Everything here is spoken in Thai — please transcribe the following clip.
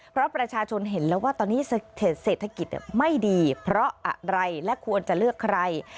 เพราะประชาชนเห็นแล้วว่าตอนนี้เศรษฐกิจไม่ดีเพราะอะไรและควรจะเลือกใคร